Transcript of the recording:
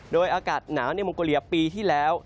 โดยอากาศหนาวในมองโกเลียปีที่แล้ว